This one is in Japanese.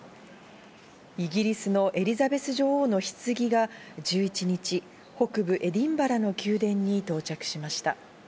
イギリスのエリザベス女王のひつぎが１１日、北部エディンバラの宮殿に到着しました。